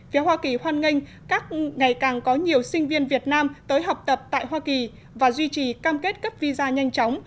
phía hoa kỳ hoan nghênh các ngày càng có nhiều sinh viên việt nam tới học tập tại hoa kỳ và duy trì cam kết cấp visa nhanh chóng